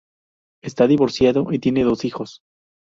Está divorciado y tiene dos hijos.